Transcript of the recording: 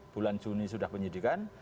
bulan juni sudah penyelidikan